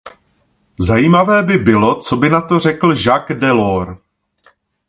Zajímavé by bylo, co by na to řekl Jacques Delors.